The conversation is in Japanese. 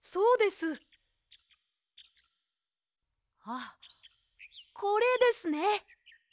あっこれですね！